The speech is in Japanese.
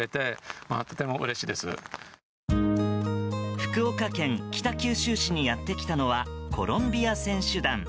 福岡県北九州市にやってきたのはコロンビア選手団。